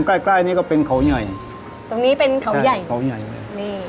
ถ้ามองใกล้นี่ก็เป็นเขาใหญ่ตรงนี้เป็นเขาใหญ่ใช่เขาใหญ่นี่